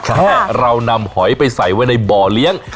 ถ้าเรานำหอยไปใส่ไว้ในบ่อเลี้ยง